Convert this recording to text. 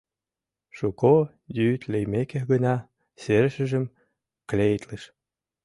Шуко йӱд лиймеке гына серышыжым клеитлыш.